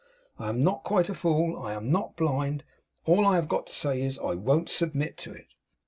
I am not quite a fool, and I am not blind. All I have got to say is, I won't submit to it.